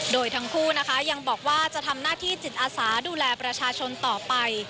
โดยทั้งคู่นะคะยังบอกว่าจะทำหน้าที่จิตอาสาดูแลประชาชนต่อไป